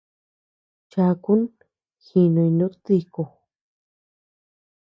Chakun jínuy nútdiku.